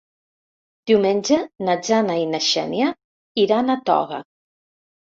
Diumenge na Jana i na Xènia iran a Toga.